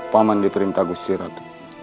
paman diperintahku sirat